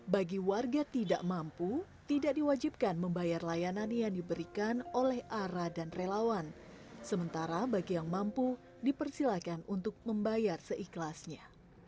bagi warga tidak mampu tidak diwajibkan membayar layanan yang diberikan oleh ara dan relawan sementara bagi yang mampu dipersilakan untuk membayar seikhlasnya